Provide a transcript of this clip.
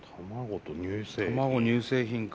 卵乳製品か。